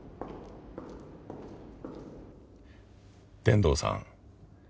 天堂さん。